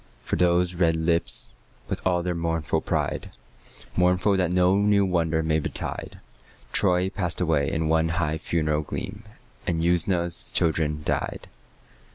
For those red lips, with all their mournful pride, Mournful that no new wonder may betide, Troy passed away in one high funeral gleam, And Usna's children died.